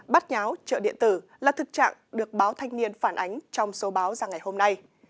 bắt nháo trợ điện tử là thực trạng được báo thanh niên phản ánh trong số báo ra ngày hôm nay